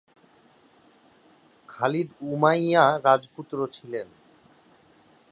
Khalid Umayyad রাজপুত্র ছিলেন।